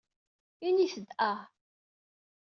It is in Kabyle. Init-d ahhh.